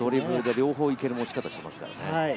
両方いける持ち方をしてますからね。